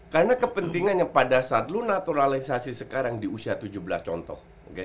karena kepentingannya pada saat lu naturalisasi sekarang di usia tujuh belas contoh